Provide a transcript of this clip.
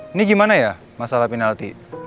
ini gimana ya masalah penalti